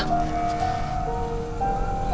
kok mesinnya mati sih tiba tiba